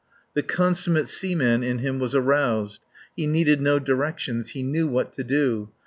The consummate seaman in him was aroused. He needed no directions. He knew what to do.